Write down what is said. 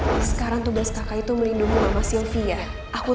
tapi kamu masih plus plus dengan aku